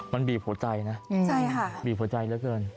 มันบีบหัวใจนะใช่ค่ะบีบหัวใจก็เกิน